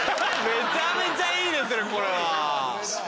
めちゃめちゃいいですねこれは。